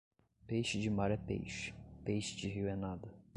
Peixe de mar é peixe, peixe de rio é nada.